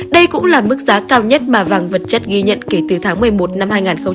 đây cũng là mức giá cao nhất mà vàng vật chất ghi nhận kể từ tháng một mươi một năm hai nghìn một mươi tám